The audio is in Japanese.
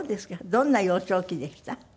どんな幼少期でした？